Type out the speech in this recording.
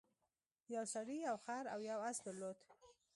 یو سړي یو خر او یو اس درلودل.